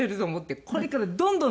これからどんどんと。